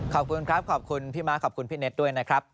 ขอบคุณครับขอบคุณพี่ม้าขอบคุณพี่เน็ตด้วยนะครับ